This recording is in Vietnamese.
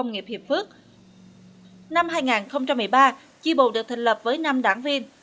năm hai nghìn một mươi ba tri bộ được thành lập với năm đảng viên